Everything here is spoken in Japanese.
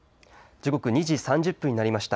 時刻、２時３０分になりました。